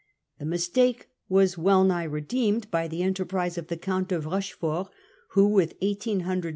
The mistake was well nigh redeemed by the enterprise of the Count of Rochefort, who with 1,800 horsemen made a 1672.